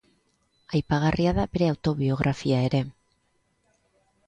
Aipagarria da bere autobiografia ere.